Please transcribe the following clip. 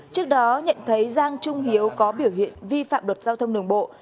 trước đó nhận thấy giang trung hiếu có biểu hiện vi phạm luật giao thông đường bộ